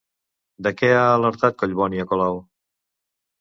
De què ha alertat Collboni a Colau?